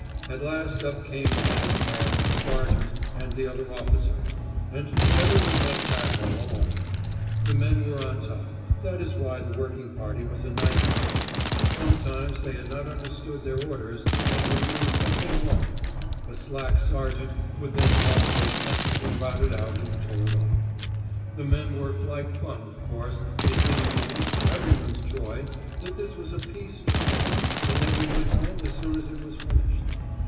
At last up came the last man, sergeant, and the other officer, and together we went back all along. The men were on top (that is why the working party was a night one); sometimes they had not understood their orders and were doing something wrong (a slack sergeant would then probably have to be routed out and told off). The men worked like fun, of course, it being known, to every one's joy, that this was a piece job, and that we went home as soon as it was finished.